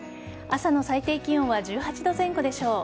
朝の最低気温は１８度前後でしょう。